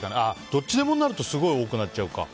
どっちでもになるとすごい多くなっちゃうか。